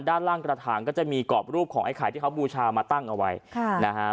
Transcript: ด้านล่างกระถางก็จะมีกรอบรูปของไอ้ไข่ที่เขาบูชามาตั้งเอาไว้ค่ะนะฮะ